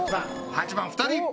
８万２人！